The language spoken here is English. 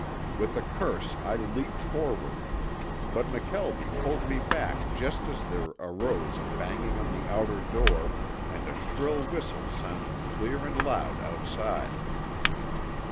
With a curse I leaped forward, but McKelvie pulled me back just as there arose a banging on the outer door and a shrill whistle sounded clear and loud outside.